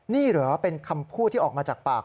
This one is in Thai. นี่เหรอเป็นคำพูดที่ออกมาจากปาก